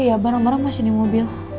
oh iya bareng bareng masih di mobil